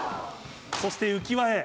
そして浮輪へ。